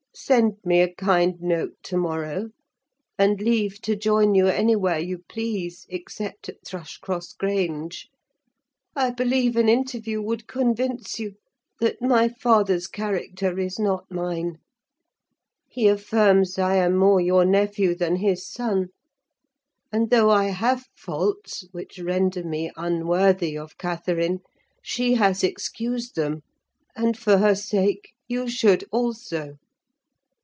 send me a kind note to morrow, and leave to join you anywhere you please, except at Thrushcross Grange. I believe an interview would convince you that my father's character is not mine: he affirms I am more your nephew than his son; and though I have faults which render me unworthy of Catherine, she has excused them, and for her sake, you should also.